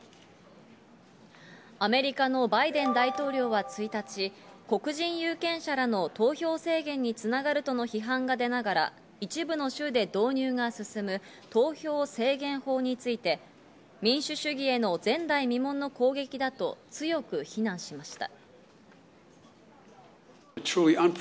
アメリカのバイデン大統領は１日、黒人有権者らの投票制限につながるとの批判が出ながら、一部の州で導入が進む投票制限法について民主主義への前代未聞の攻撃だと強く非難しました。